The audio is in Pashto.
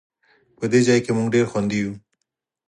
په دې ځای کې مونږ ډېر خوندي یو